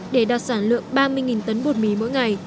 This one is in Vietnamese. để đạt sản lượng ba mươi tấn bột mì mỗi ngày